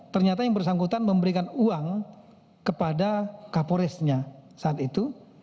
ternyata yang bersangkutan memberikan uang kepada kapolresnya saat itu